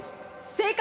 正解！？